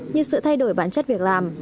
như sự thay đổi bản chất việc làm